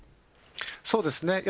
そうですね。